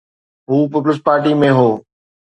هو پيپلز پارٽيءَ ۾ هو.